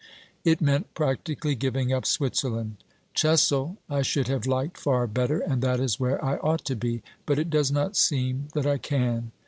It meant practically giving up Switzerland. Chessel I should have liked far better, and that is where I ought to be, but it does not seem that I can.